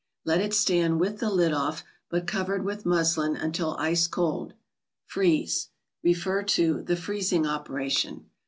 Let it stand with the lid off, but covered with muslin, until ice cold. Freeze—(refer to " The Freezing Operation